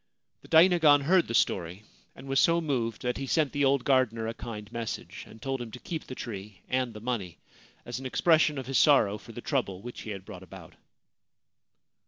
The dainagon heard the story, and was so moved that he sent the old gardener a kind message, and told him to keep the tree and the money, as an expression of his sorrow for the trouble which he had brought about.